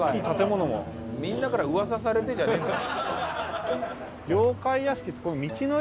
みんなから噂されてじゃねえんだ。